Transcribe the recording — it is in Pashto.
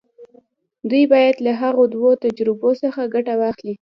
دوی بايد له هغو دوو تجربو څخه ګټه واخلي.